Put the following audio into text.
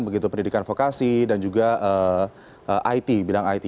begitu pendidikan vokasi dan juga it bidang it